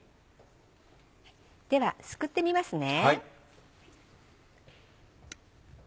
ではすくってみますね。